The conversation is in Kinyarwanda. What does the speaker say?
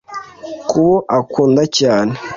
kubo akunda cyane.